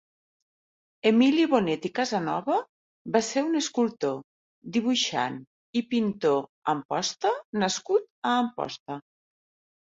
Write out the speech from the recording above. Emili Bonet i Casanova va ser un escultor, dibuixant i pintor Amposta nascut a Amposta.